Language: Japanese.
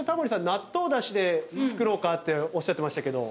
納豆ダシで作ろうかっておっしゃってましたけど。